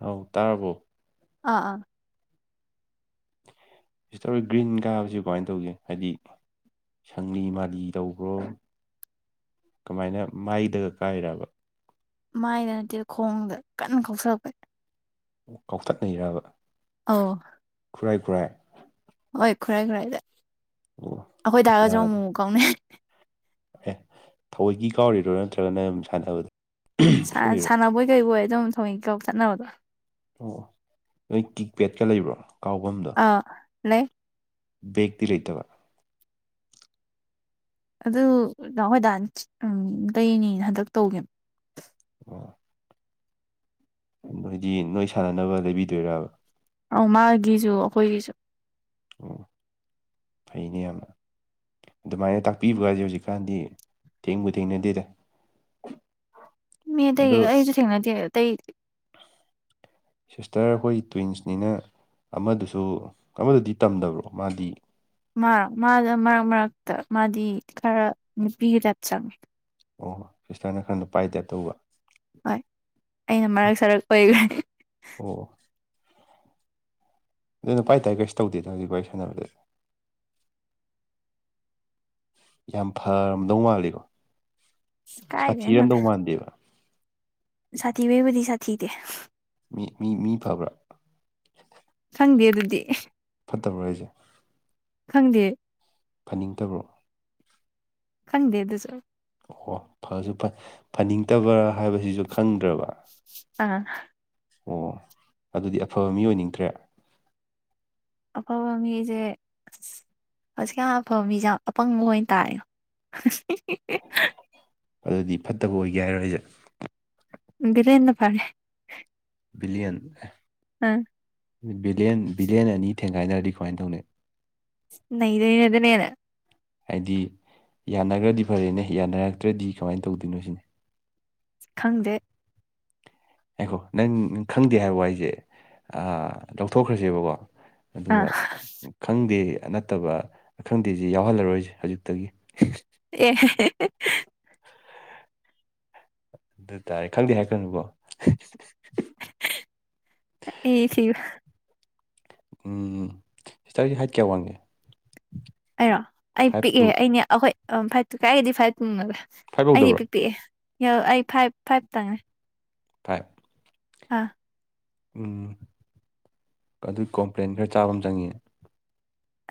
ꯍꯥꯎ ꯇꯥꯔꯕꯣ꯫ ꯑꯥ ꯑꯥ꯫ ꯆꯦ ꯊꯣꯏ ꯒ꯭ꯔꯤꯟ ꯀꯥꯕꯁꯤ ꯀꯃꯥꯏꯅ ꯇꯧꯒꯦ ꯍꯥꯏꯗꯤ ꯁꯪꯂꯤ ꯃꯥꯂꯤ ꯇꯧꯕ꯭ꯔꯣ ꯀꯃꯥꯏꯅ ꯃꯥꯏꯗꯒ ꯀꯥꯏꯔꯕ꯫ ꯃꯥꯏꯗ ꯅꯠꯇꯦ ꯈꯣꯡꯗ ꯀꯟꯅ ꯀꯧꯁꯜꯂꯛꯄꯩ꯫ ꯀꯥꯎꯊꯠꯅꯩꯔꯕ꯫ ꯑꯧ꯫ ꯈꯨꯔꯥꯏ ꯈꯨꯔꯥꯏ꯫ ꯍꯣꯏ ꯈꯨꯔꯥꯏ ꯈꯨꯔꯥꯏꯗ ꯑꯣ ꯑꯩꯈꯣꯏ ꯗꯒꯁꯨ ꯑꯃꯨ ꯑꯃꯨ ꯀꯥꯎꯅꯩ꯫ ꯑꯦ ꯊꯑꯣꯏꯒꯤ ꯀꯥꯎꯔꯤꯗ꯭ꯔꯣ ꯅꯠꯇ꯭ꯔꯒ ꯁꯨꯝ ꯁꯥꯟꯅꯕꯗ ꯁꯥ ꯁꯣꯏꯔꯤꯔꯣ ꯁꯥꯟꯅꯕꯣꯏ ꯀꯩꯕꯣꯏ ꯑꯗꯨꯝ ꯊꯑꯣꯢꯀꯤ ꯀꯥꯎ ꯊꯠꯅꯕꯗꯣ꯫ ꯑꯣ ꯅꯣꯏ ꯀꯤꯛ ꯄꯦꯠꯀ ꯂꯩꯕ꯭ꯔꯣ ꯀꯥꯎꯅꯝꯗꯣ꯫ ꯑ ꯂꯩ꯫ ꯕꯦꯛꯇꯤ ꯂꯩꯇꯕ꯫ ꯑꯗꯨ ꯗꯥ ꯑꯈꯣꯏ ꯗꯥꯅ ꯊꯤꯠ ꯂꯩꯅꯤ ꯍꯟꯗꯛ ꯇꯧꯒꯤꯝꯅꯤ꯫ ꯑꯣ꯫ ꯅꯣꯏꯗꯤ ꯅꯣꯏ ꯁꯥꯟꯅꯅꯕ ꯂꯩꯕꯤꯗꯣꯏꯔꯕ꯫ ꯑꯧ ꯃꯥꯒꯤꯁꯨ ꯑꯩꯈꯣꯏꯒꯤꯁꯨ꯫ ꯑꯣ ꯐꯩꯅꯦ ꯌꯥꯝꯅ꯫ ꯑꯗꯨꯃꯥꯏꯅ ꯇꯥꯛꯄꯤꯕꯒꯁꯦ ꯍꯧꯖꯤꯛꯀꯥꯟꯗꯤ ꯊꯦꯡꯕꯨ ꯊꯦꯡꯅꯗꯦꯗ꯫ [inaudible] ꯃꯤ ꯑꯇꯩ ꯑꯗꯣ ꯀꯩꯀ ꯑꯩꯁꯨ ꯊꯦꯡꯅꯗꯦ ꯑꯇꯩ ꯁꯤꯁꯇꯔ ꯈꯣꯏ ꯇꯨꯋꯤꯟꯁꯅꯤꯅ ꯑꯃꯗꯨꯁꯨ ꯑꯃꯗꯨꯗꯤ ꯇꯝꯗꯕ꯭ꯔꯣ ꯃꯥꯗꯤ꯫ ꯃꯥ ꯃꯥꯗ ꯃꯔꯛ ꯃꯔꯛꯇ ꯃꯥꯗꯤ ꯈꯔ ꯅꯨꯄꯤꯗ ꯇꯥꯏꯞ ꯆꯪꯉꯦ꯫ ꯑꯣ ꯁꯤꯁꯇꯔꯅ ꯈꯔ ꯅꯨꯄꯥꯏ ꯇꯥꯏꯞ ꯇꯧꯕ꯫ ꯍꯣꯏ ꯑꯩꯅ ꯃꯔꯛ ꯁꯥꯔꯛ ꯑꯣꯏꯕꯒꯤ꯫ ꯑꯣ꯫ ꯅꯪ ꯅꯄꯥꯥꯏ ꯇꯥꯏꯞ ꯀꯩꯁꯨ ꯇꯧꯗꯦꯗ ꯍꯧꯖꯤꯛ ꯋꯥꯔꯤ ꯁꯥꯟꯅꯕꯗꯗꯤ꯫ ꯌꯥꯝ ꯐꯔꯝꯗꯧ ꯃꯥꯜꯂꯤꯀꯣ ꯀꯥꯏꯗꯩꯅꯣꯗ ꯁꯥꯊꯤꯔꯝꯗꯧ ꯃꯥꯟꯗꯦꯕ꯫ ꯁꯥꯊꯤꯕꯩꯕꯨꯗꯤ ꯁꯥꯊꯤꯗꯦ꯫ ꯃꯤ ꯃꯤ ꯃꯤ ꯐꯕ꯭ꯔꯥ꯫ ꯈꯪꯗꯦ ꯑꯗꯨꯗꯤ꯫꯫ ꯐꯠꯇꯕ꯭ꯔꯣ ꯍꯥꯏꯁꯦ꯫ ꯈꯪꯗꯦ꯫ ꯐꯅꯤꯡꯗꯕ꯭ꯔꯣ ꯈꯪꯗꯦ ꯑꯗꯨ ꯁꯔ ꯑꯣ ꯐꯁꯨ ꯐꯅꯤꯡꯗꯕ꯭ꯔꯥ ꯍꯥꯏꯕꯁꯤꯁꯨ ꯈꯪꯗ꯭ꯔꯕ ꯑ ꯑꯣ ꯑꯗꯨꯗꯤ ꯑꯐꯕ ꯃꯤ ꯑꯣꯏꯅꯤꯡꯗ꯭ꯔꯦ ꯑꯣꯈꯣ ꯃꯤꯁꯦ ꯍꯧꯖꯤꯛꯀ ꯍꯥꯟ ꯑꯐꯕ ꯃꯤꯁꯦ ꯌꯥꯝ ꯑꯄꯪꯕ ꯑꯣꯏꯅ ꯇꯥꯔꯦ ꯑꯗꯨꯗꯤ ꯐꯠꯇꯕ ꯑꯣꯏꯒꯦ ꯍꯥꯏꯔꯣꯏꯁꯦ ꯗꯤꯔꯦꯟꯅ ꯐꯥꯔꯦ꯫ ꯕꯤꯂꯤꯌꯟ꯫ ꯑ ꯕꯤꯂꯤꯌꯟ ꯕꯤꯂꯤꯌꯟ ꯑꯅꯤ ꯊꯦꯡꯒꯥꯏꯅꯔꯗꯤ ꯀꯃꯥꯏꯅ ꯇꯧꯅꯤ꯫ ꯅꯩꯗꯣꯏꯅꯤ ꯑꯗꯨꯅ ꯍꯦꯟꯅ꯫ ꯍꯥꯏꯗꯤ ꯌꯥꯅꯈ꯭ꯔꯗꯤ ꯐꯔꯦꯅꯦ ꯌꯥꯅꯔꯛꯇ꯭ꯔꯗꯤ ꯀꯃꯥꯏꯅ ꯇꯧꯗꯣꯏꯅꯣ ꯁꯤꯅꯦ꫰꫰ ꯈꯪꯗꯦ꯫ ꯉꯥꯏꯈꯣ ꯅꯪꯪ ꯈꯪꯗꯦ ꯍꯥꯏꯕ ꯋꯥꯍꯩꯁꯤ ꯑꯥ ꯂꯧꯊꯣꯛꯈ꯭ꯔꯁꯦꯕꯀꯣ꯫ ꯑꯥ ꯑꯗꯨꯒ ꯈꯪꯗꯦ ꯅꯠꯇꯕ ꯈꯪꯗꯦꯁꯤ ꯌꯥꯎꯍꯜꯂꯔꯣꯏꯁꯦ ꯍꯧꯖꯤꯛꯇꯒꯤ ꯑꯦ ꯑꯗꯨ ꯇꯥꯔꯦ ꯈꯪꯗꯦ ꯍꯥꯏꯈ꯭ꯔꯅꯨꯕꯣ ꯑꯦ ꯊꯒ ꯎꯝ ꯁꯤꯁꯇꯔꯗꯤ ꯍꯥꯏꯠ ꯀꯌꯥ ꯋꯥꯡꯒꯦ ꯑꯩꯔꯣ ꯑꯩ ꯐꯥꯏꯚ ꯇꯨ ꯄꯤꯛꯑꯦ ꯑꯩꯅꯦ ꯑꯩꯈꯣꯏ ꯐꯥꯏꯚꯇꯨ ꯀꯥꯏꯒꯗꯤ ꯐꯥꯏꯚ ꯇꯨꯡꯉꯒ ꯐꯥꯏꯚ ꯑꯩꯅꯦ ꯌꯧꯗꯕ꯭ꯔꯣ ꯄꯤꯛ ꯄꯤꯛꯑꯦ ꯑꯩ ꯐꯥꯏꯚ ꯐꯥꯏꯚ ꯇꯪꯉꯦ ꯐꯥꯏꯕ ꯍꯥꯥ ꯎꯝ ꯑꯗꯨ ꯀꯣꯝꯄ꯭ꯂꯦꯟ ꯈꯔ ꯆꯥꯕ ꯑꯃ ꯆꯪꯏꯌꯦ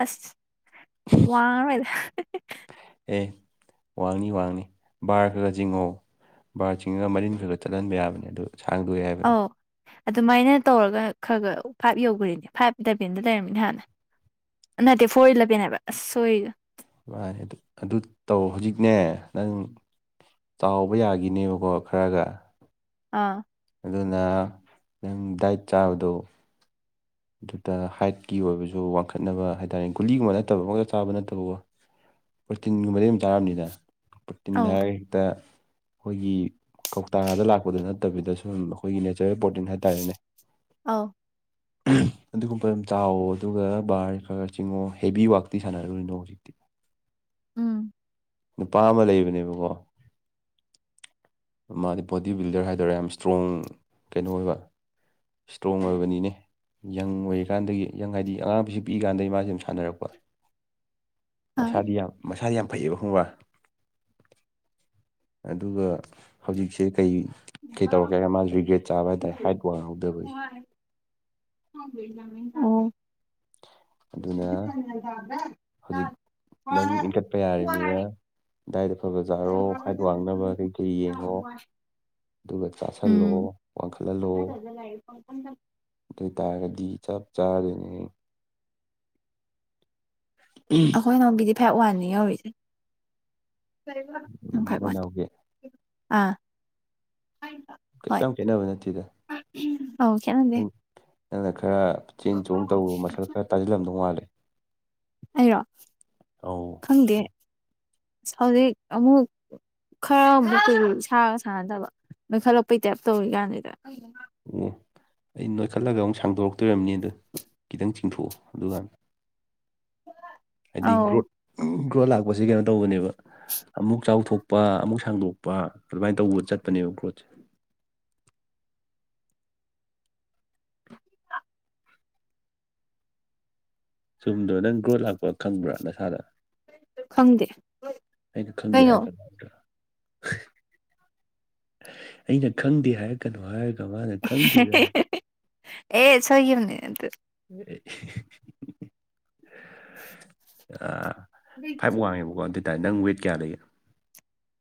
ꯑꯁ ꯋꯥꯗ ꯑꯦ ꯋꯥꯡꯅꯤ ꯋꯥꯡꯅꯤ ꯕꯥꯔ ꯈꯔꯒ ꯆꯤꯡꯉꯣ ꯕꯥꯔ ꯆꯤꯡꯉꯒ ꯃꯔꯤꯟ ꯈꯔ ꯈ ꯆꯠꯍꯟꯕ ꯌꯥꯕꯅꯦ ꯑꯗꯨ ꯁꯥꯡꯗꯣꯛꯏ ꯍꯥꯏꯕꯅꯤ ꯑꯧ ꯑꯗꯨꯃꯥꯏꯅ ꯇꯧꯔꯒ ꯈꯔ ꯈ ꯐꯥꯏꯚ ꯌꯧꯈꯔꯤꯦꯅꯦ ꯐꯥꯏꯚ ꯗꯕꯦꯟꯗ ꯂꯩꯔꯝꯃꯤꯅꯦ ꯍꯥꯟꯅ ꯅꯠꯇꯦ ꯐꯣꯔ ꯍꯋꯤꯂꯔ ꯄꯅꯦꯕ ꯑꯁ ꯁꯣꯏꯔꯤꯗꯣ ꯃꯥꯅꯦ ꯑꯗꯨ ꯇꯧ ꯍꯧꯖꯤꯛꯅꯦ ꯅꯪ ꯆꯥꯎꯕ ꯌꯥꯒꯤꯅꯦꯕꯀꯣ ꯈꯔꯒ ꯑꯥ ꯑꯗꯨꯅ ꯅꯪ ꯗꯥꯏꯠ ꯆꯥꯕꯗꯣ ꯑꯗꯨꯗ ꯍꯥꯏꯠꯀꯤ ꯑꯣꯏꯕꯁꯨ ꯋꯥꯡꯈꯠꯅꯕ ꯍꯥꯏꯇꯥꯔꯦ ꯒꯨꯂꯤꯒꯨꯝꯕ ꯅꯠꯇꯕ ꯑꯃꯛꯇ ꯆꯥꯕ ꯅꯠꯇꯕꯀꯣ ꯄ꯭ꯔꯣꯇꯤꯟꯒꯨꯝꯕꯗꯤ ꯑꯗꯨꯝ ꯇꯥꯔꯕꯅꯤꯅ ꯄ꯭ꯔꯣꯇꯤꯟ ꯑꯧ ꯍꯥꯏꯔꯒ ꯍꯦꯛꯇ ꯑꯩꯈꯣꯏꯒꯤ ꯀꯧꯇꯥꯔꯥꯗ ꯂꯥꯛꯄꯗ ꯅꯠꯇꯕꯤꯗ ꯁꯨꯝ ꯑꯩꯈꯣꯏꯒꯤ ꯅꯦꯆꯔꯦꯜ ꯄ꯭ꯔꯣꯔꯣꯇꯤꯟ ꯍꯥꯏꯇꯥꯔꯦꯅꯦ ꯑ ꯑꯗꯨꯒꯨꯝꯕ ꯑꯗꯨꯝ ꯆꯥꯎꯋꯣ ꯑꯗꯨꯒ ꯕꯥꯔ ꯈꯔ ꯆꯤꯡꯉꯣ ꯍꯦꯕꯤ ꯋꯔꯥꯛꯇꯤ ꯁꯥꯟꯅꯔꯨꯔꯤꯅꯣ ꯍꯧꯖꯤꯛꯇꯤ ꯎꯝ ꯅꯨꯄꯥ ꯑꯃ ꯂꯩꯕꯅꯦꯕꯀꯣ ꯃꯥꯗꯤ ꯕꯣꯗꯤ ꯕꯤꯜꯗꯔ ꯍꯥꯏꯗꯔꯦ ꯌꯥꯝ ꯏꯁꯇ꯭ꯔꯣꯡ ꯀꯩꯅꯣ ꯑꯣꯏꯕ ꯏꯁꯇ꯭ꯔꯣꯡ ꯑꯣꯏꯕꯅꯤꯅꯦ ꯌꯪ ꯑꯣꯏꯔꯤꯀꯥꯟꯗꯒꯤ ꯌꯪ ꯍꯥꯏꯗꯤ ꯑꯉꯥꯡꯕꯁꯤ ꯄꯤꯛꯏꯀꯥꯟꯗꯒꯤ ꯃꯥꯁꯦ ꯑꯗꯨ ꯁꯥꯟꯅꯔꯛꯄ ꯑꯥ ꯃꯁꯥꯗꯤ ꯌꯥꯝ ꯃꯁꯥꯗꯤ ꯌꯥꯝ ꯐꯩꯌꯦꯕꯣ ꯈꯪꯕꯥ ꯑꯗꯨꯒ ꯍꯧꯖꯤꯛꯁꯦ ꯀꯩ ꯀꯩ ꯇꯧꯔꯛꯀꯦꯥ ꯃꯥꯁ ꯔꯤꯒ꯭ꯔꯦꯠ ꯆꯥꯕ ꯍꯥꯏꯇꯥꯥꯔꯦ ꯍꯥꯏꯠ ꯋꯥꯡꯍꯧꯗꯕꯒꯤ ꯑꯗꯨꯅ [inaudible] ꯍꯧꯖꯤꯛ ꯅꯪ ꯏꯟꯈꯠꯄ ꯌꯥꯔꯤꯕꯅꯤꯅ ꯗꯥꯏꯗ ꯐꯕ ꯆꯥꯔꯣ ꯍꯥꯏꯠ ꯋꯥꯡꯅꯕ ꯀꯔꯤ ꯀꯔꯤ ꯌꯦꯡꯉꯣ ꯑꯗꯨꯒ ꯆꯥꯥꯁꯜꯂꯣ ꯎꯝ ꯋꯥꯡꯈꯠꯍꯜꯂꯣ ꯑꯗꯨ ꯑꯣꯏꯇꯥꯔꯗꯤ ꯆꯞ ꯆꯥꯔꯅꯤ ꯎꯝ ꯑꯩꯈꯣꯏꯅꯒꯤꯗꯤ ꯐꯥꯏꯚ ꯋꯥꯟꯅꯤ ꯌꯧꯔꯤꯁꯦ ꯐꯥꯏꯚ ꯅꯣꯏ ꯋꯥꯟ ꯅꯥꯎꯒꯤ ꯑꯥ ꯀꯩꯁꯨ ꯍꯣꯏ ꯌꯥꯝ ꯈꯦꯠꯅꯕ ꯅꯠꯇꯦꯗ ꯑꯧ ꯈꯦꯠꯅꯗꯦ ꯅꯪꯅ ꯈꯔ ꯆꯦꯟ ꯆꯣꯡ ꯇꯧꯕꯔ ꯃꯁꯜ ꯈꯔ ꯇꯥꯁꯤꯜꯂꯝꯗꯧ ꯃꯥꯂꯦ ꯑꯩꯔꯣ ꯑꯧ ꯈꯪꯗꯦ ꯑ ꯍꯧꯖꯤꯛ ꯑꯃꯨꯛ ꯈꯔ ꯑꯃꯨꯛ ꯀꯨ ꯁꯥꯔꯒ ꯁꯥꯥꯟꯅꯗꯕ ꯃꯩꯈꯠꯂꯛꯄꯩ ꯇꯦꯞ ꯇꯧꯔꯤ ꯀꯥꯟꯁꯤꯗ ꯑꯣ ꯑꯩ ꯅꯣꯏꯈꯠꯂꯒ ꯑꯃꯨꯛ ꯁꯥꯡꯗꯣꯔꯛꯇꯣꯝꯅꯤ ꯑꯗꯨꯗ ꯈꯤꯇꯪ ꯆꯤꯡꯊꯣꯛꯑꯣ ꯑꯗꯨꯀꯥꯟꯗ ꯍꯥꯏꯗꯤ ꯑꯧ ꯒ꯭ꯔꯣꯠ ꯒ꯭ꯔꯣꯠ ꯂꯥꯛꯄꯁꯤ ꯀꯩꯅꯣ ꯇꯧꯕꯅꯦꯕ ꯑꯃꯨꯛ ꯆꯥꯎꯊꯣꯛꯄ ꯑꯃꯨꯛ ꯁꯥꯡꯗꯣꯛꯄ ꯑꯗꯨꯃꯥꯏꯅ ꯇꯧꯕ ꯆꯠꯄꯅꯦꯕ ꯒ꯭ꯔꯣꯠꯁꯦ ꯆꯨꯝꯗꯣ ꯅꯪ ꯒ꯭ꯔꯣꯠ ꯂꯥꯛꯄ ꯈꯪꯕ꯭ꯔꯥ ꯅꯁꯥꯅ ꯈꯪꯗꯦ ꯑꯩꯅ ꯈꯪꯗꯦ ꯀꯩꯅꯣ ꯍꯥꯏꯔ ꯈꯗ ꯑꯩꯅ ꯈꯪꯗꯦ ꯍꯥꯏꯔꯛ ꯀꯅꯨ ꯍꯥꯏꯔ ꯑꯦ ꯁꯅꯤ ꯑ ꯑ ꯐꯥꯏꯕ ꯋꯥꯡꯉꯤꯕ ꯋꯥ ꯑꯗꯨ ꯑꯣꯏꯇꯥꯥꯏ ꯅꯪ ꯋꯦ ꯀꯌꯥ ꯂꯩꯒꯦ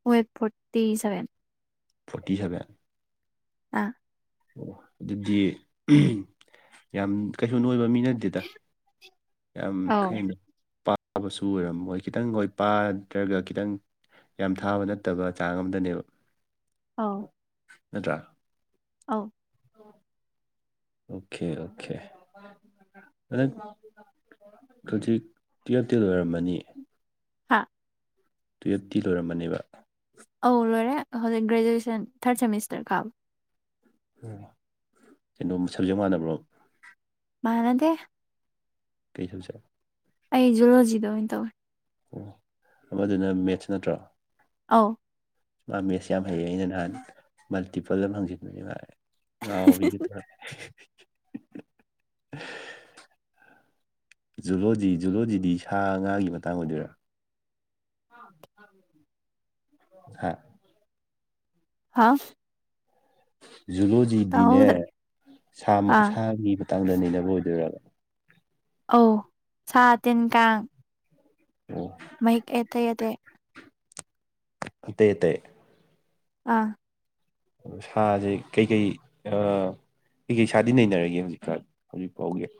ꯋꯦꯕ ꯐꯣꯔꯇꯤ ꯁꯚꯦꯟ ꯐꯣꯔꯇꯤ ꯁꯚꯦꯟ ꯑꯥ ꯑꯣ ꯑꯗꯨꯗꯤ ꯌꯥꯝ ꯀꯩꯁꯨ ꯅ ꯑꯣꯏꯕ ꯃꯤꯅ ꯑꯗꯨꯗ ꯌꯥꯝ ꯑꯧ ꯈꯩꯅ ꯄꯥꯕꯁꯨ ꯑꯣꯏꯔꯝꯣꯏ ꯈꯤꯇꯪ ꯍꯈꯣꯏ ꯄꯥꯗ꯭ꯔꯒ ꯈꯤꯇꯪ ꯌꯥꯝ ꯊꯥꯕ ꯅꯠꯇꯕ ꯆꯥꯡ ꯑꯃꯝꯗꯅꯦꯕ ꯑꯥꯎ ꯅꯠꯇ꯭ꯔ ꯑꯥꯎ ꯑꯣꯀꯦ ꯑꯣꯀꯦ ꯅꯪ ꯍꯨꯖꯤꯛ ꯇ꯭ꯌꯦꯜꯚꯇꯤ ꯂꯣꯏꯔꯝꯃꯅꯤ ꯍꯥꯥ ꯇꯨꯌꯦꯞꯇꯤ ꯂꯣꯏꯔꯝꯃꯅꯦꯕ ꯑꯧ ꯂꯣꯏꯔꯦ ꯍꯧꯖꯤꯛ ꯒ꯭ꯔꯦꯖꯨꯋꯦꯁꯟ ꯊꯥꯔꯠ ꯁꯦꯃꯤꯁꯇꯔ ꯀꯥꯕ ꯎꯝ ꯀꯩꯅꯣꯝ ꯁꯞꯖꯦꯛ ꯃꯥꯟꯅꯕ꯭ꯔꯣ ꯃꯥꯟꯅꯗꯦ ꯀꯩ ꯁꯕꯖꯦꯛ ꯑꯩ ꯖꯨꯂꯣꯖꯤꯗ ꯑꯣꯏꯅ ꯇꯧꯋꯦ ꯑꯣ ꯑꯃꯗꯨꯅ ꯃꯦꯠ꯭ꯁ ꯅꯠꯇ꯭ꯔꯣ ꯑꯧ ꯃꯥ ꯃꯦꯠꯁ ꯌꯥꯝ ꯍꯩꯌꯦ ꯑꯩꯅ ꯅꯍꯥꯟ ꯃꯜꯇꯤꯄꯜ ꯑꯃ ꯍꯪꯖꯤꯟꯕꯅꯦ ꯃꯥ ꯉꯥꯎꯕꯤꯒ ꯇꯧꯔꯛꯑꯦ ꯖꯨꯂꯣꯖꯤ ꯖꯨꯂꯣꯖꯤꯗꯤ ꯁꯥ ꯉꯥꯒꯤ ꯃꯇꯥꯡ ꯑꯣꯏꯗꯣꯏꯔꯥ [unintelligible] ꯍꯥꯥ ꯍꯥꯥꯎ ꯖꯨꯂꯣꯖꯤꯗꯤꯅꯦ ꯇꯥꯍꯧꯗ꯭ꯔꯦ ꯑꯥ ꯁꯥꯁꯒꯤ ꯃꯇꯥꯡꯗ ꯅꯩꯅꯕ ꯑꯣꯏꯗꯣꯏꯔ ꯑꯧ ꯁꯥ ꯇꯤꯟ ꯀꯥꯡ ꯑꯣ [unintelligible] ꯑꯇꯩ ꯑꯇꯩ ꯑꯥ꯫ ꯑ ꯁꯥꯁꯦ ꯀꯩꯀꯩ꯫ ꯑꯩ ꯀꯩ ꯁꯥꯗꯤ ꯅꯩꯅꯔꯒꯦ ꯍꯧꯖꯤꯛꯀꯥꯟ ꯍꯧꯖꯤꯛ ꯐꯥꯎꯒꯤ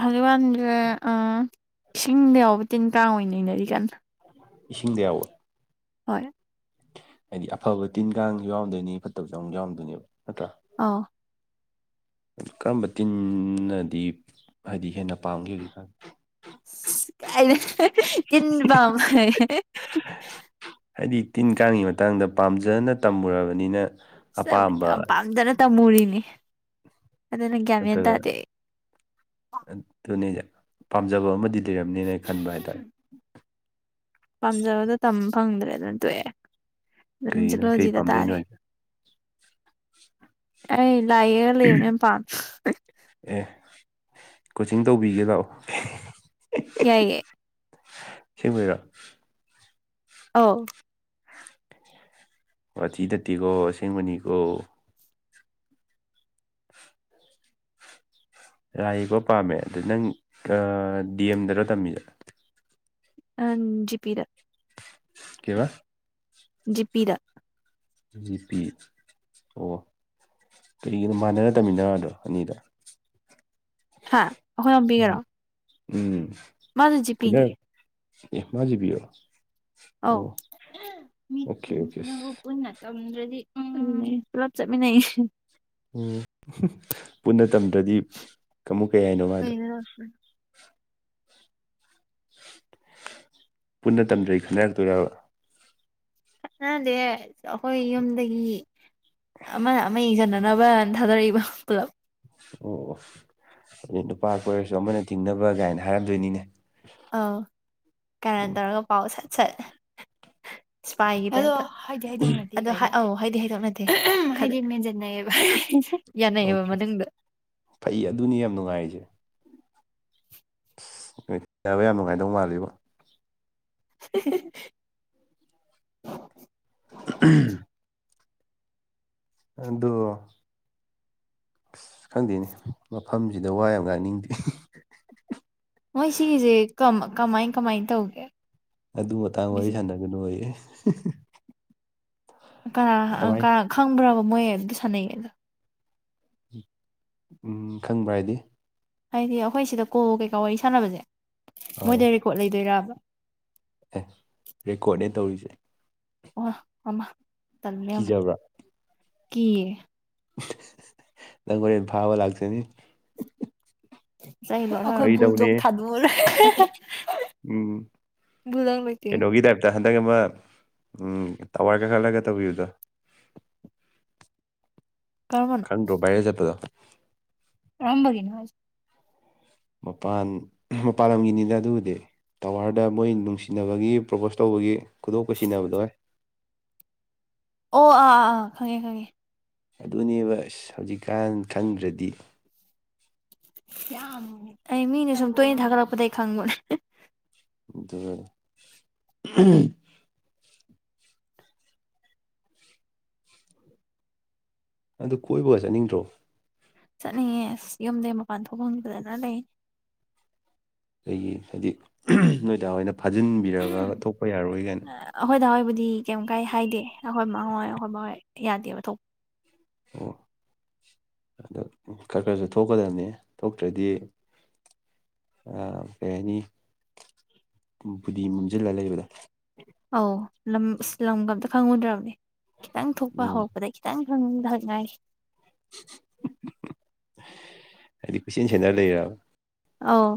ꯍꯧꯖꯤꯛ ꯋꯥꯥꯟꯁꯦ ꯏꯁꯤꯡꯗ ꯌꯥꯎꯕ ꯇꯤꯟ ꯀꯥꯡ ꯑꯣꯏꯅ ꯅꯩꯅꯔꯤ ꯀꯅ ꯏꯁꯤꯡꯗ ꯌꯥꯎꯋ꯫ ꯍꯣꯏ ꯍꯥꯏꯗꯤ ꯑꯐꯕ ꯇꯤꯟ ꯀꯥꯡꯁꯨ ꯌꯥꯎꯔꯝꯗꯣꯏꯅꯤ ꯐꯠꯇꯕꯁꯨ ꯌꯥꯎꯔꯝꯗꯣꯏꯅꯦꯕ ꯅꯠꯇ꯭ꯔꯥ꯫ ꯑ ꯀꯔꯝꯕ ꯇꯤꯝꯅꯗꯤ ꯍꯥꯏꯗꯤ ꯍꯦꯟꯅ ꯄꯥꯝꯒꯦ [unintelligible] ꯍꯥꯏꯗꯤ ꯇꯤꯟ ꯀꯥꯡꯒꯤ ꯃꯇꯥꯡꯗ ꯄꯥꯝꯖꯅ ꯇꯝꯃꯨꯔꯕꯅꯤꯅ ꯆꯞ ꯑꯄꯥꯝꯕ ꯌꯥꯝ ꯄꯥꯝꯖꯅ ꯇꯝꯃꯨꯔꯤꯅꯤ꯫ ꯑꯗꯨꯅ ꯒ꯭ꯌꯥꯟ ꯃꯦꯟ ꯇꯥꯗꯦ ꯅꯠꯇꯔꯥꯒ ꯑꯗꯨꯅꯤ ꯄꯥꯝꯖꯕ ꯑꯃꯗꯤ꯫ ꯂꯩꯔꯝꯅꯤꯅ ꯑꯩ ꯈꯟꯕ ꯍꯥꯏꯇꯥꯔꯦ ꯄꯥꯝꯖꯕꯗꯣ ꯇꯝꯕ ꯐꯪꯗ꯭ꯔꯦꯗꯅ ꯇꯣꯛꯑꯦ ꯀꯩꯒꯤꯅ ꯀꯩ ꯆꯂꯣꯖꯤꯗ ꯄꯥꯝꯖꯩꯅꯣ ꯇꯥꯔꯦ ꯍꯥꯏꯁꯦ ꯑꯩ ꯂꯥꯏꯌꯦꯔ ꯂꯩꯕꯅꯦ ꯌꯥꯝ ꯄꯥꯟ ꯑꯦ ꯀꯣꯆꯤꯡ ꯇꯧꯕꯤꯒꯦ ꯂꯥꯛꯑꯣ꯫ ꯌꯥꯏ ꯌꯥꯏ ꯁꯤꯃꯤꯔꯣ ꯑꯥꯎ ꯋꯥꯊꯤ ꯅꯥꯠꯇꯦꯀꯣ ꯑꯁꯦꯡꯕꯅꯤꯀꯣ꯫ ꯂꯥꯏ ꯌꯦꯛꯀꯣ ꯄꯥꯝꯃꯦ ꯑꯗꯨꯗ ꯅꯪ ꯗꯤ ꯑꯦꯝ ꯗꯔꯣ ꯇꯝꯃꯤꯁꯦ꯫ ꯑꯖꯤ ꯄꯤꯔ ꯀꯩꯕ꯫ ꯖꯤꯄꯤꯗ ꯖꯤ ꯄꯤ ꯑꯣ ꯀꯩꯒꯤꯅꯣ ꯃꯥꯟꯅꯔ ꯇꯝꯃꯤꯟꯅꯔꯗ꯭ꯔꯣ ꯑꯅꯤꯗ ꯍꯥ ꯑꯩꯈꯣꯏ ꯑꯣꯝꯕꯤꯒꯦꯔꯣ ꯎꯝ꯫ ꯃꯥꯗꯨ ꯆ ꯄꯤꯅꯦ ꯑꯦꯃꯖꯤꯕꯤ ꯑꯧ ꯑꯣꯀꯦ ꯑꯣꯀꯦ ꯃꯤꯇꯁꯤꯅ꯫ ꯇꯝꯗ꯭ꯔꯗꯤ ꯎꯝ ꯄꯨꯂꯞ ꯆꯠꯃꯤꯟꯅꯩꯌꯦ ꯎ ꯄꯨꯟꯅ ꯇꯝꯗ꯭ꯔꯗꯤ ꯀꯃꯨ ꯀꯩ ꯍꯥꯏꯅꯣ ꯃꯥꯗꯣ ꯎꯝ꯫ ꯄꯨꯟꯅ ꯇꯝꯗ꯭ꯔꯩ ꯈꯟꯅꯔꯛꯇꯣꯏꯔꯕ꯫ ꯅꯗꯤ ꯑꯩꯈꯣꯏ ꯌꯨꯝꯗꯒꯤ ꯑꯃꯅ ꯑꯃ ꯌꯦꯡꯁꯤꯅ ꯅꯕ ꯑꯙꯥꯗꯔꯕ ꯄꯨꯂꯞ ꯑꯣ ꯑꯣ ꯑꯗꯨꯗꯩ ꯅꯨꯄꯥꯀ ꯑꯣꯏꯔꯁꯨ ꯑꯃꯅ ꯊꯤꯡꯅꯕ ꯀꯥꯏꯅ ꯍꯥꯏꯔꯝꯗꯣꯏꯅꯤꯅꯦ ꯑꯧ ꯀꯔꯟ ꯎꯝ ꯇꯧꯔꯒ ꯄꯥꯎ ꯁꯠ ꯁꯠ ꯢꯁꯄꯥꯏ [inaudible] ꯍꯥꯏꯗꯤ ꯍꯥꯏꯗꯣꯛꯅꯗꯦ ꯑꯗꯣ ꯑꯧ ꯍꯥꯏꯗꯤ ꯍꯥꯏꯗꯣꯛꯅꯗꯦ ꯍꯥꯏꯗꯤ ꯃꯦꯟꯁꯤꯟꯅꯩꯑꯕ ꯌꯥꯅꯦꯕ ꯑꯣꯀꯦ ꯃꯊꯗ ꯐꯩ ꯑꯗꯨꯅꯤ ꯌꯥꯝ ꯅꯨꯡꯉꯥꯏꯔꯤꯁꯦ ꯁꯤꯁ ꯇꯥꯕ ꯌꯥꯝ ꯅꯨꯡꯉꯥꯏꯗꯧ ꯃꯥꯜꯂꯤꯕꯣ꯫ [unintelligible] [unintelligible] ꯑꯗꯨ ꯑꯁ ꯈꯪꯗꯦꯅꯦ ꯃꯐꯝꯁꯤꯗ ꯋꯥ ꯌꯥꯝ ꯉꯥꯡꯅꯤꯡꯗꯦ ꯃꯣꯏ ꯁꯖꯦ ꯀꯝ ꯀꯃꯥꯏ ꯀꯃꯥꯏ ꯇꯧꯒꯦ꯫ ꯑꯗꯨ ꯃꯇꯥꯡ ꯒꯤꯁꯦ ꯋꯥꯔꯤ ꯁꯥꯟꯅꯒꯅꯨ ꯑꯣꯏꯌꯦ꯫ ꯀꯃꯥꯏ ꯀ ꯈꯪꯕ꯭ꯔꯕ ꯃꯣꯏ ꯑꯗꯨꯗꯤ ꯁꯥꯟꯅꯩꯌꯦ ꯑꯗꯣ ꯎꯝ ꯈꯪꯕ꯭ꯔ ꯍꯥꯏꯗꯤ ꯍꯥꯏꯗꯤ ꯑꯈꯣꯏ ꯁꯤꯗ ꯀꯣ ꯀꯩꯀꯥ ꯋꯥꯔꯤ ꯁꯥꯟꯅꯕꯁꯦ ꯑꯥꯎ ꯃꯣꯏꯗ ꯔꯦꯀꯣꯔꯠ ꯂꯩꯗꯣꯏꯔꯕ꯫ ꯑꯦ ꯔꯦꯀꯣꯔꯠꯅꯦ ꯇꯧꯔꯤꯁꯦ ꯋꯥ ꯃꯃ ꯇꯟꯃꯦꯅ ꯀꯤꯖꯕ꯭ꯔꯥ ꯀꯤ ꯅꯈ ꯐꯥꯎ ꯂꯥꯛꯁꯅꯤ ꯆꯥꯏꯅꯣ ꯑꯩꯈꯣꯏ ꯕꯨꯜꯗꯣꯛ ꯊꯗꯣꯛꯑꯂꯣꯏꯔꯦ꯫ ꯎꯝ ꯀꯩꯅꯣꯒꯤꯗ꯭ꯌꯥꯢꯞ ꯑ ꯍꯟꯗꯛ ꯑꯃ ꯇꯥꯋꯥꯔꯒ ꯈꯠꯂꯒ ꯇꯧꯕꯤꯕꯗꯣ ꯀꯔꯝꯕꯅꯣ ꯈꯪꯗꯔꯣ ꯕꯥꯢꯔꯦꯜ ꯆꯠꯄꯗꯣ꯫ ꯔꯝꯕꯒꯤꯅꯣ ꯃꯄꯥꯟ ꯃꯄꯥꯟ ꯂꯝꯒꯤꯅꯤꯅ ꯑꯗꯨꯕꯨꯗꯤ꯫ ꯇꯋꯥꯔꯗ ꯃꯣꯏ ꯅꯨꯡꯁꯤꯅꯕꯒꯤ ꯄ꯭ꯔꯣꯄꯣꯁ ꯇꯧꯕꯒꯤ ꯈꯨꯗꯣꯄ ꯁꯤꯖꯤꯟꯅꯕꯗ ꯑꯣꯏ ꯑꯣ ꯑꯥ ꯑꯥ ꯑꯥ ꯈꯪꯉꯦ ꯈꯪꯉꯦ ꯑꯗꯨꯅꯦꯕ ꯑꯁ ꯍꯧꯖꯤꯛꯀꯥꯟ ꯈꯪꯗ꯭ꯔꯗꯤ꯫ ꯌꯥꯝ ꯑꯩ ꯃꯤꯅ ꯁꯨꯝ ꯇꯣꯏꯅ ꯊꯥꯒꯠꯂꯛꯄꯗꯒꯤꯩ ꯈꯪꯕꯅꯦ [unintelligible] ꯑꯗꯨ ꯀꯣꯏꯕꯒ ꯆꯠꯅꯤꯡꯗ꯭ꯔꯣ ꯆꯠꯅꯤꯡꯌꯦ ꯑꯁ ꯌꯨꯝꯗꯩ ꯃꯄꯥꯟ ꯊꯣꯛ ꯐꯪꯗꯥꯗꯅ ꯂꯩ꯫ ꯑꯩ ꯒꯤ ꯍꯥꯏꯗꯤ ꯑꯍꯝ ꯅꯣꯏꯗ ꯍꯣꯏꯅ ꯐꯥꯖꯤꯟꯕꯤꯔꯕꯕ ꯊꯣꯛꯄ ꯌꯥꯔꯣꯏ ꯒꯥꯏꯅ ꯑꯈꯣꯏ ꯗꯥ ꯍꯣꯏꯕꯨꯗꯤ ꯀꯩꯝ ꯀꯥꯏ ꯍꯥꯏꯗꯦ ꯑꯈꯣꯏ ꯃꯥ ꯍꯣꯏ ꯑꯩꯈꯣꯏ ꯕꯥ ꯍꯣꯢ ꯌꯥꯗꯦꯕ ꯊꯣꯛꯄ꯫ ꯑꯣ ꯑꯗꯣ ꯈꯔ ꯈꯔꯁꯨ ꯊꯣꯛꯀꯗꯞꯅꯦ ꯊꯣꯛꯇ꯭ꯔꯗꯤ ꯎꯝ ꯀꯩ ꯍꯥꯏꯅꯤ ꯐꯨꯗꯤ ꯃꯝꯖꯤꯜꯂꯒ ꯂꯩꯕꯗꯣ ꯑꯧ ꯂꯝ ꯂꯝꯒ ꯑꯝꯇ ꯈꯪꯉꯨꯗ꯭ꯔꯕꯅꯦ ꯈꯤꯇꯪ ꯊꯣꯛꯄ ꯎꯝ ꯍꯧꯔꯛꯄ꯫ ꯗ ꯈꯤꯇꯪ ꯈꯪꯗ ꯍꯪꯉꯥꯏ ꯍꯥꯏꯗꯤ ꯀꯣꯏꯁꯦꯟ ꯁꯦꯟꯟꯅꯔ ꯂꯩꯔꯕ ꯑꯥꯎ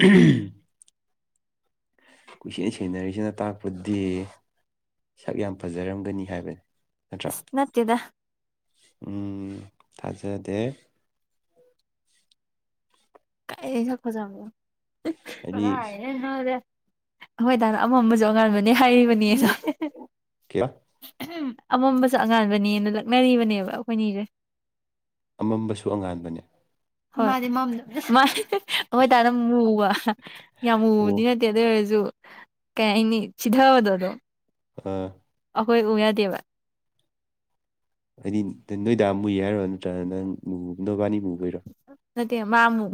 ꯎꯍꯝ꯫ ꯀꯨꯏꯁꯦꯟ ꯁꯦꯡꯅꯔꯤꯁꯤꯅ ꯇꯥꯛꯄꯗꯤ꯫ ꯁꯛ ꯌꯥꯝ ꯐꯖꯔꯝꯒꯅꯤ ꯍꯥꯏꯕ ꯑꯁ ꯅꯠꯇꯦꯗ ꯎꯝ ꯊꯥꯖꯗꯦ꯫ ꯑꯩ ꯁꯛ ꯐꯖꯕꯣ ꯍꯥꯏꯗꯤ ꯀꯔꯥꯢꯗꯩꯅꯣ ꯍꯣꯏ ꯇꯅꯣ ꯑꯃꯝꯕꯁꯨ ꯑꯉꯥꯟꯕꯅꯦ ꯍꯥꯏꯔꯤꯕꯅꯦꯗ [unintelligible] ꯑꯍꯝ ꯑꯃꯝꯕꯁꯨ ꯑꯉꯥꯟꯕꯅꯦꯅ ꯂꯛꯅꯔꯤꯕꯅꯦꯕ ꯑꯈꯣꯏꯅꯤꯖꯦ꯫ ꯑꯃꯝꯕꯁꯨ ꯑꯉꯥꯟꯕꯅꯦ꯫ ꯍꯣꯏ ꯑꯗꯨ ꯑꯣꯏꯇꯥꯔꯅ ꯃꯨꯕ ꯌꯥꯝ ꯑꯣ ꯃꯨꯕꯗꯤ ꯅꯠ꯫ ꯠꯇꯤ ꯑꯗꯨ ꯑꯣꯏꯔꯁꯨ ꯀꯩ ꯍꯥꯏꯅꯤ ꯆꯤꯊꯕꯗꯗꯣ ꯎꯝ꯫ ꯑꯩꯈꯣꯏ ꯎ ꯌꯥꯗꯦꯕ꯫ ꯍꯥꯏꯗꯤ ꯅꯣꯏꯗꯥꯝ ꯃꯨꯏ ꯍꯥꯏꯔꯣ ꯅꯠꯇ꯭ꯔꯒꯅ ꯅꯪ ꯅꯣꯕꯥꯅꯤꯕꯨꯨꯕ ꯑꯣꯏꯔꯣ ꯅꯠꯇꯦ ꯃꯥ ꯃꯨꯞ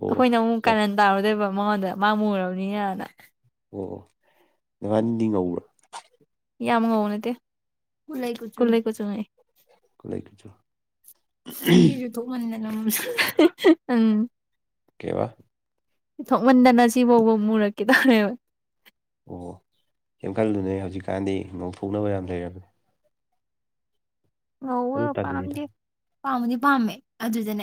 ꯑꯣ ꯑꯈꯣꯏꯅ ꯃꯨꯛ ꯑꯣ ꯀꯔꯟ ꯇꯥꯔꯨꯗꯣꯏꯕ ꯃꯉꯣꯟꯗ ꯃꯥ ꯃꯨꯔꯕꯅꯤꯅ ꯅ꯫ ꯑꯣ ꯑꯣ ꯅꯍꯟꯗꯤ ꯉꯧꯕ꯭ꯔꯣ ꯌꯥꯝꯉꯧꯕ ꯅꯠꯇꯦ ꯀꯨꯂꯩ ꯀꯨꯆꯨꯅꯤ꯫ [unintelligible] ꯨ ꯃꯟꯗꯅ ꯎꯝ ꯀꯩꯕ ꯊꯣꯛꯃꯟꯗꯅ ꯁꯤꯐꯥꯎꯕ ꯃꯨꯔꯛꯀꯦ ꯇꯧꯔꯦꯕ ꯑꯣ ꯀꯩꯝ ꯈꯜꯂꯨꯅꯦ ꯍꯧꯖꯤꯛꯀꯥꯟꯗꯤ ꯉꯧꯊꯣꯛꯅꯕ ꯌꯥꯝ ꯂꯩꯔꯕꯅꯦ ꯑꯗꯨ ꯉꯧꯕꯒ ꯇꯜꯂꯤꯗ ꯄꯥꯝꯗꯦ ꯄꯥꯝꯕꯨꯗꯤ ꯄꯥꯝꯃꯦ ꯑꯗꯨꯗꯅꯦ